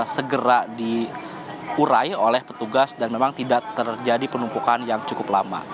segera diurai oleh petugas dan memang tidak terjadi penumpukan yang cukup lama